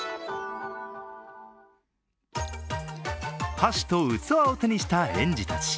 箸と器を手にした園児たち。